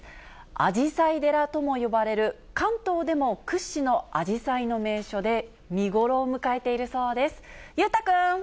あじさい寺とも呼ばれる、関東でも屈指のあじさいの名所で、見頃を迎えているそうです。